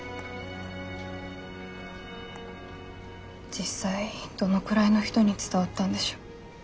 実際どのくらいの人に伝わったんでしょう。